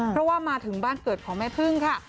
เพราะว่ามาถึงบ้านเกิดของแม่พึ่งค่ะ